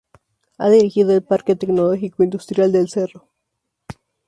Ha dirigido el Parque Tecnológico Industrial del Cerro.